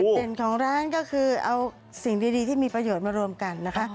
เด่นของร้านก็คือเอาสิ่งดีที่มีประโยชน์มารวมกันนะคะ